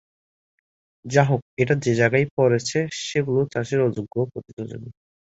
যাই হোক, এটা যে জায়গায় পড়েছে সেগুলো চাষের অযোগ্য পতিত জমি।